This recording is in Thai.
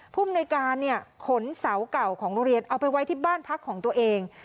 ภูมิในการขนเสาเก่าของโรงเรียนเอาไปไว้ที่บ้านพักของตัวเอง